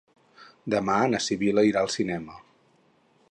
Demà na Sibil·la irà al cinema.